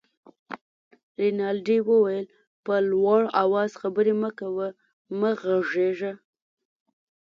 رینالډي وویل: په لوړ آواز خبرې مه کوه، مه غږېږه.